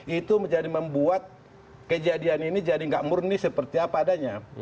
itu menjadi membuat kejadian ini jadi nggak murni seperti apa adanya